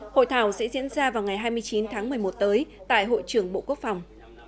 hội thảo sẽ diễn ra vào ngày hai mươi chín tháng một mươi một tới tại hội trưởng bộ quốc phòng